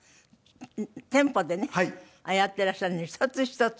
テンポでねああやっていらっしゃるのに一つ一つ。